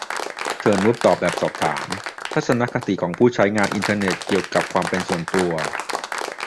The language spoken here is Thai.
เชิญร่วมตอบแบบสอบถาม "ทัศนคติของผู้ใช้งานอินเทอร์เน็ตเกี่ยวกับความเป็นส่วนตัว"